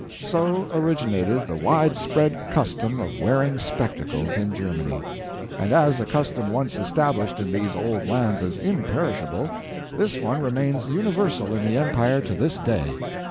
So originated the wide spread custom of wearing spectacles in Germany; and as a custom once established in these old lands is imperishable, this one remains universal in the empire to this day.